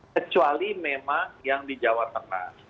kecuali memang yang di jawa tengah